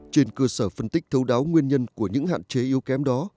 trên cơ sở phân tích thấu đáo nguyên nhân của những hạn chế yếu kém đó